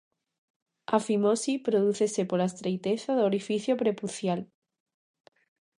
A fimose prodúcese pola estreiteza do orificio prepucial.